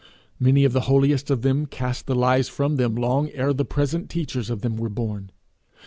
Many of the holiest of them cast the lies from them long ere the present teachers of them were born.